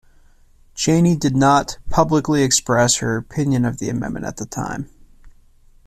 Cheney did not publicly express her opinion of the amendment at the time.